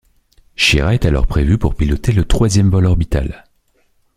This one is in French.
Schirra est alors prévu pour piloter le troisième vol orbital.